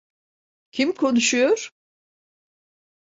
Kim konuşuyor?